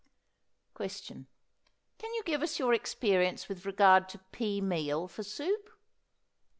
Question. Can you give us your experience with regard to pea meal for soup?